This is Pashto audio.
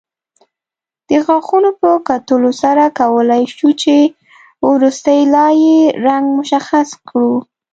د غاښونو په کتلو سره کولای شو چې وروستۍ لایې رنګ مشخص کړو